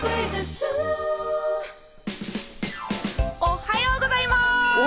おはようございます！